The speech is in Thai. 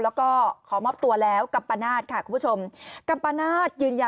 แล้วผมก็เลยเรียกเพื่อนมารับผมให้ฝากผมกลับบ้านอะไรอย่างนี้